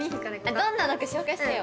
どんなのか紹介してよ